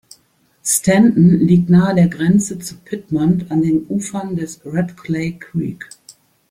Stanton liegt nahe der Grenze zu Piedmont an den Ufern des Red Clay Creek.